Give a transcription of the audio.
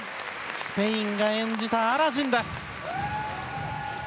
スペインが演じた「アラジン」です。